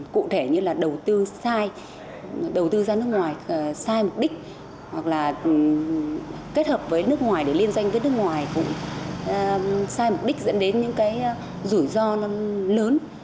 cụ thể như là đầu tư sai đầu tư ra nước ngoài sai mục đích hoặc là kết hợp với nước ngoài để liên doanh với nước ngoài cũng sai mục đích dẫn đến những cái rủi ro lớn